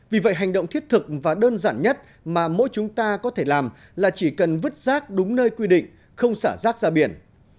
vì vậy hành động thiết thực và đơn giản nhất mà mỗi chúng ta có thể làm là chỉ cần vứt rác đúng nơi quy định không xả rác ra biển